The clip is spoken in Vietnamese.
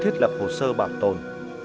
thiết lập hồ sơ bảo tồn